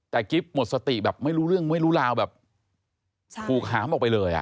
แต่กิ๊บหมดสติแบบไม่รู้เรื่องไม่รู้ราวแบบถูกหามออกไปเลย